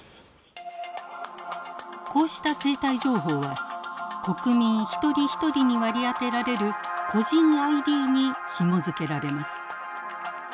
こうした生体情報は国民一人一人に割り当てられる個人ＩＤにひも付けられます。